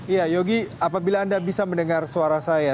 ya yogi apabila anda bisa mendengar suara saya